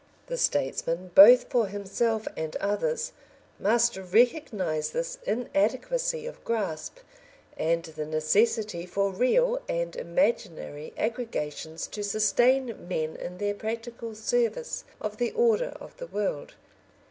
The statesman, both for himself and others, must recognise this inadequacy of grasp, and the necessity for real and imaginary aggregations to sustain men in their practical service of the order of the world.